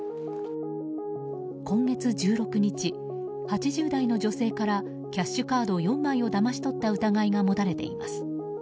今月１６日、８０代の女性からキャッシュカード４枚をだまし取った疑いが持たれています。